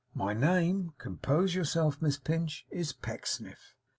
My name compose yourself, Miss Pinch is Pecksniff.